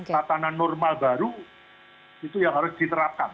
tatanan normal baru itu yang harus diterapkan